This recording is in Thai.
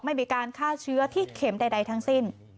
ไม่มีการฆ่าเชื้อที่เข็มใดทั้งสิ้น